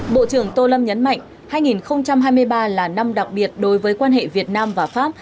bộ trưởng tô lâm nhấn mạnh hai nghìn hai mươi ba là năm đặc biệt đối với quan hệ việt nam và pháp